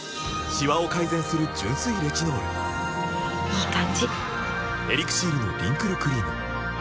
いい感じ！